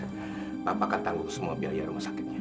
afrika tangguh semua biaya rumah sakitnya